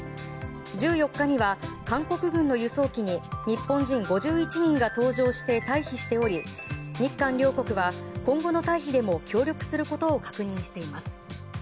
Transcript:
１４日には韓国軍の輸送機に日本人５１人が搭乗して退避しており日韓両国は今後の退避でも協力することを確認しています。